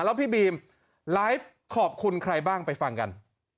แล้วพี่บีมไลฟ์ขอบคุณใครบ้างไปฟังกัน